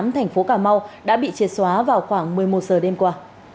thành phố cà mau đã bị triệt xóa vào khoảng một mươi một giờ đêm qua